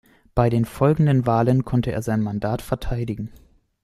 Bei den folgenden Wahlen konnte er sein Mandat verteidigen.